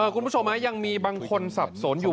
คุณผู้ชมนะคะยังมีบางคนที่สับสนอยู่